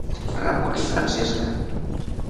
Ramona i Francesca.